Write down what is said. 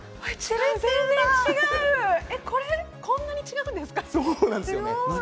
こんなに違うんですか？